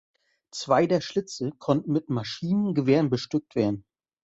Zwei der Schlitze konnten mit Maschinengewehren bestückt werden.